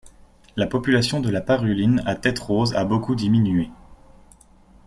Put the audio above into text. La population de la Paruline à tête rose a beaucoup diminué.